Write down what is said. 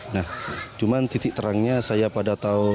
nah cuman titik terangnya saya pada tahu